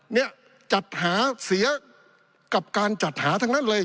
เนี่ยจัดหาเสียกับการจัดหาทั้งนั้นเลย